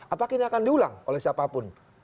apakah ini akan diulang oleh siapapun